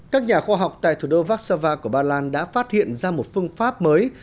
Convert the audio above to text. các nhà khoa học tại thủ đô vakseva của ba lan đã phát hiện ra một phương pháp mới